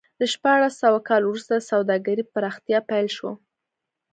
له شپاړس سوه کال وروسته د سوداګرۍ پراختیا پیل شو.